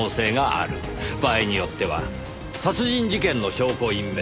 場合によっては殺人事件の証拠隠滅。